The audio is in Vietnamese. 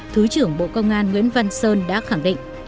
thứ trưởng bộ công an nguyễn văn sơn đã khẳng định